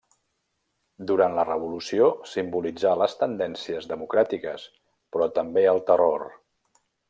Durant la Revolució simbolitzà les tendències democràtiques però també del Terror.